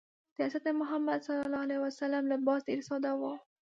د حضرت محمد ﷺ لباس ډېر ساده و.